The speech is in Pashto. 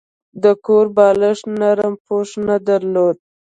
د کور بالښت نرمه پوښ نه درلوده.